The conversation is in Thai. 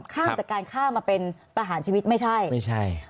ข้ามจากการฆ่ามาเป็นประหารชีวิตไม่ใช่ไม่ใช่